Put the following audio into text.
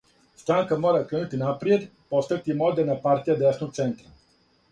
Странка мора кренути напријед, постати модерна партија десног центра.